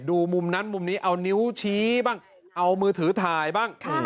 มุมนั้นมุมนี้เอานิ้วชี้บ้างเอามือถือถ่ายบ้าง